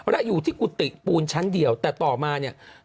และอยู่ที่กุฏิปูนชั้นเดียวแต่ต่อมาเนี่ย